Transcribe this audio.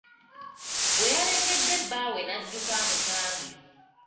Bwe yalengedde bbaawe n'adduka amusange.